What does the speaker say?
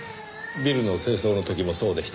ビルの清掃の時もそうでした。